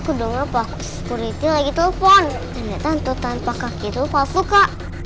udah ngepak security lagi telepon tonton pak kaki tuh pasuka